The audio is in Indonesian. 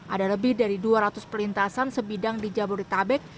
ada lebih dari dua ratus perlintasan sebidang di jabodetabek